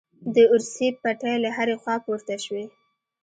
د ارسي پټې له هرې خوا پورته شوې.